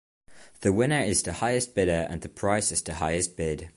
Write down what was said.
The winner is the highest bidder and the price is the highest bid.